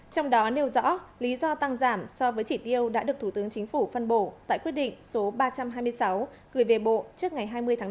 trong đó nêu rõ lý do tăng giảm so với chỉ tiêu đã được thủ tướng chính phủ phân bổ tại quyết định số ba trăm hai mươi sáu gửi về bộ trước ngày hai mươi tháng bốn